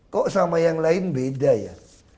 kok sama yang lain beda ya